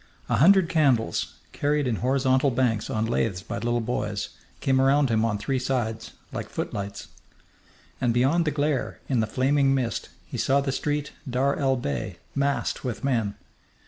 A hundred candles, carried in horizontal banks on laths by little boys, came around him on three sides, like footlights. And beyond the glare, in the flaming mist, he saw the street Dar el Bey massed with men.